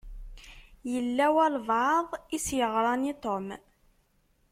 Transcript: Yella walebɛaḍ i s-yeɣṛan i Tom.